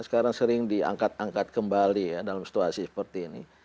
sekarang sering diangkat angkat kembali ya dalam situasi seperti ini